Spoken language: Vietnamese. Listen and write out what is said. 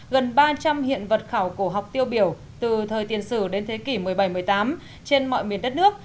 gần ba trăm linh hiện vật khảo cổ học tiêu biểu từ thời tiền sử đến thế kỷ một mươi bảy một mươi tám trên mọi miền đất nước